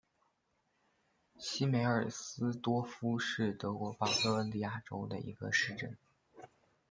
西梅尔斯多尔夫是德国巴伐利亚州的一个市镇。